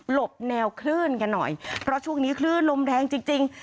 บแนวคลื่นกันหน่อยเพราะช่วงนี้คลื่นลมแรงจริงจริง